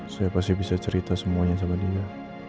saya pasti bisa cerita semuanya sama dia